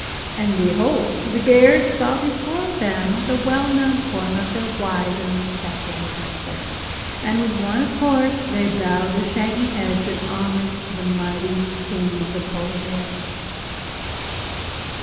And behold! the bears saw before them the well known form of their wise and respected master, and with one accord they bowed their shaggy heads in homage to the mighty King of the Polar Bears.